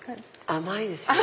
甘いですよ。